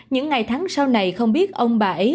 những ngày tháng sau này không biết ông bà ấy